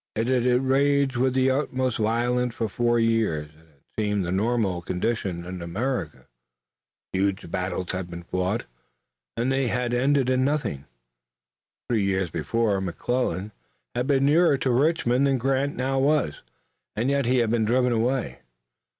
It had raged with the utmost violence for four years and it seemed the normal condition in America. Huge battles had been fought, and they had ended in nothing. Three years before, McClellan had been nearer to Richmond than Grant now was, and yet he had been driven away.